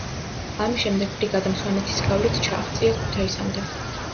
ამის შემდეგ ბრიგადამ სვანეთის გავლით ჩააღწია ქუთაისამდე.